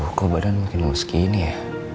aduh kok badannya makin lemes gini ya